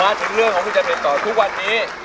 มาถึงเรื่องของคุณจำเป็นต่อทุกวันนี้